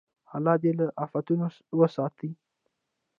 الله دې له افتونو وساتي.